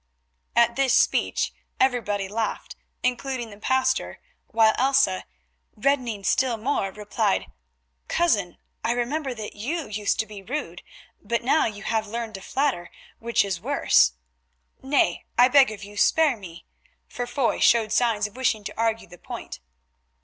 At this speech everybody laughed, including the Pastor, while Elsa, reddening still more, replied, "Cousin, I remember that you used to be rude, but now you have learned to flatter, which is worse. Nay, I beg of you, spare me," for Foy showed signs of wishing to argue the point.